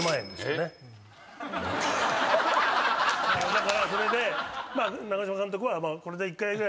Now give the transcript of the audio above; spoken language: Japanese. だからそれで長嶋監督はこれで。